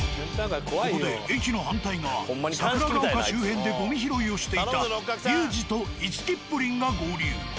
ここで駅の反対側桜丘周辺でゴミ拾いをしていたりゅーじとイチキップリンが合流。